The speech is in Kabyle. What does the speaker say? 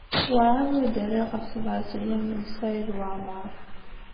Werɛad ur d-rriɣ ɣef tebṛat n Lyamin n Saɛid Waɛmeṛ.